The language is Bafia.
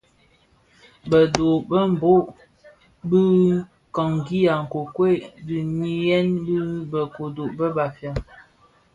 Bë dho be bō bhög bi kpagi a nkokuel ndiňiyèn bi bë kodo bë Bafia.